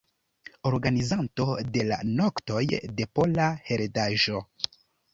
Organizanto de la Noktoj de Pola Heredaĵo.